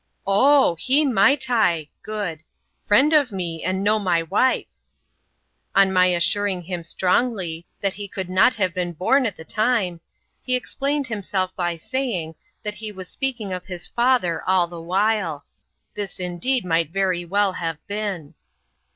" Oh ! he maitai (good) : friend of me, and know my wife." On my assuring him strongly, that he could not have been bom at the time, he explained himself by saying, that he was speaking of his father all the while. This, indeed, might very well have been.